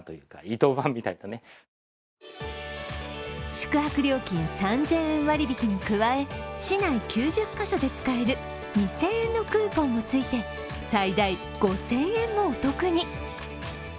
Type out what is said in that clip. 宿泊料金３０００円割引に加え市内９０カ所で使える２０００円のクーポンもついて最大５０００円もお得に。